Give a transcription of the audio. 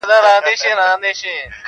دا بیتونه مي په جمهوریت کي لیکلي و,